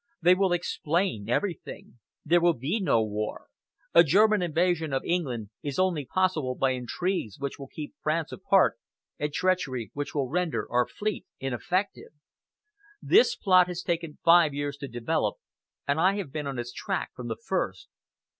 They will explain everything. There will be no war. A German invasion of England is only possible by intrigues which will keep France apart, and treachery which will render our fleet ineffective. This plot has taken five years to develop, and I have been on its track from the first.